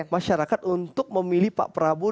masyarakat untuk memilih pak prabowo